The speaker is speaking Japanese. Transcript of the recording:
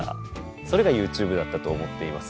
それがＹｏｕＴｕｂｅだったと思っています。